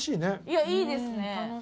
いやいいですね。